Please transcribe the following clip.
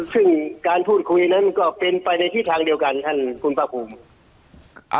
ซึ่งการพูดคุยอันนั้นมันก็เป็นไปในทิศทางเดียวกันซัลพูค่ะ